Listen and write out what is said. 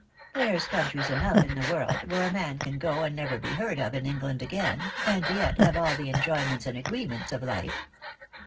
There's countries enough in the world where a man can go and never be heard of in England again, and yet have all the enjoyments and agree ments of life."